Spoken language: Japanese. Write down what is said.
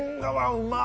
うまっ！